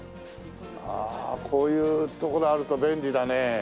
ああこういうところあると便利だね。